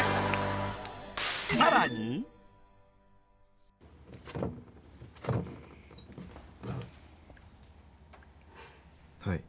［さらに］はい。